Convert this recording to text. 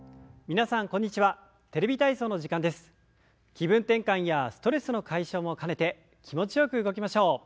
気分転換やストレスの解消も兼ねて気持ちよく動きましょう。